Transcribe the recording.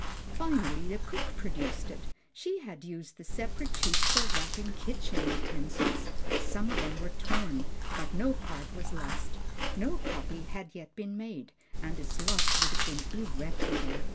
Finally the cook produced it; she had used the separate sheets for wrapping kitchen utensils. Some of them were torn, but no part was lost. No copy had yet been made, and its loss would have been irreparable.